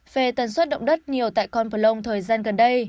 về tần suất động đất nhiều tại con phờ lông thời gian gần đây